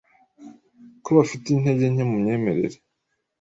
ko bafite intege nke mu myemerere,